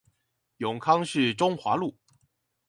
永康市中華路